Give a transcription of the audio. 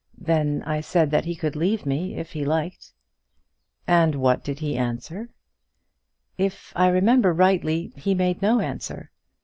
Then I said that he could leave me if he liked." "And what did he answer?" "If I remember rightly, he made no answer.